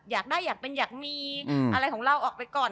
อยากได้อยากเป็นอยากมีอะไรของเราออกไปก่อน